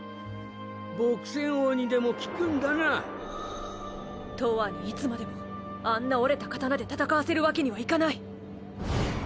朴仙翁にでも聞くんだなとわにいつまでもあんな折れた刀で戦わせるわけにはいかない！